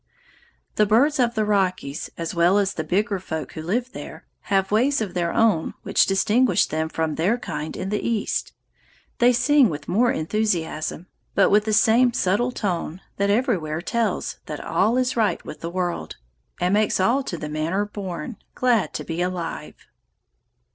The birds of the Rockies, as well as the bigger folk who live there, have ways of their own which distinguish them from their kind in the East. They sing with more enthusiasm, but with the same subtle tone that everywhere tells that all is right with the world, and makes all to the manner born glad to be alive.